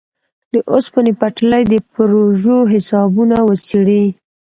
د اوسپنې پټلۍ د پروژو حسابونه وڅېړي.